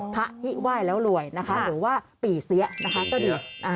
พระที่ไหว้แล้วรวยนะคะหรือว่าปี่เสียนะคะก็ดี